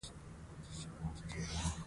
هغې د کورنۍ د روغتیا لپاره منظمه معاینه کوي.